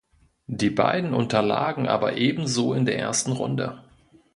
Die beiden unterlagen aber ebenso in der ersten Runde.